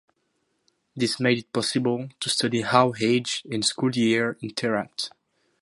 This made it possible to study how age and school year interact.